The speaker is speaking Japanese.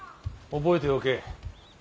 覚えておけ。